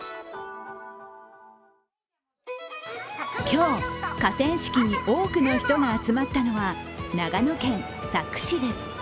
今日、河川敷に多くの人が集まったのは長野県佐久市です。